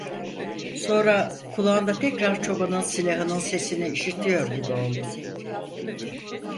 Sonra kulağında tekrar çobanın silahının sesini işitiyor gibi oldu.